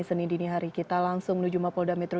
di senin dinihari kita langsung menuju mapolda metro